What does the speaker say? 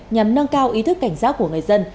nhằm nâng cao ý thức cảnh giác của người dân